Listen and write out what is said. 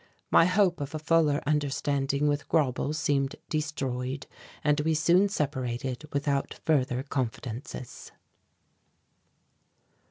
My hope of a fuller understanding with Grauble seemed destroyed, and we soon separated without further confidences.